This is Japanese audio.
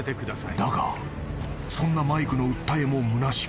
［だがそんなマイクの訴えもむなしく］